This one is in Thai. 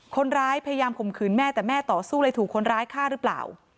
พยายามข่มขืนแม่แต่แม่ต่อสู้เลยถูกคนร้ายฆ่าหรือเปล่า